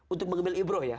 untuk mengambil ibroh ya